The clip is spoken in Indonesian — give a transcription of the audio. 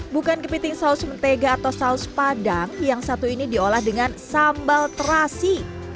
bukan kepiting saus mentega atau saus padang yang satu ini diolah dengan sambal terasi